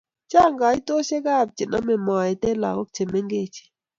Chang kaitoshek ab che name moet en lakok che mengeji